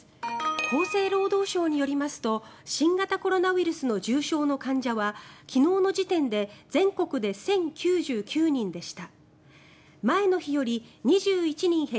厚生労働省によりますと新型コロナウイルスの重症の患者は昨日の時点で全国で１０９９人でした。